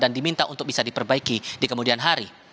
dan diminta untuk bisa diperbaiki di kemudian hari